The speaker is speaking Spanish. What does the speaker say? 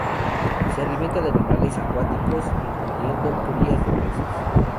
Se alimenta de animales acuáticos, incluyendo crías de peces.